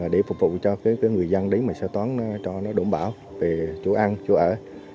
để phục vụ cho cái người dân đấy mà sơ tán cho nó đổng bảo về chủ ăn chủ ở